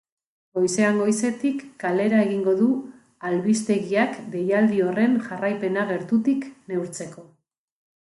Goizean goizetik kalera egingo du albistegiak deialdi horren jarraipena gertutik neurtzeko.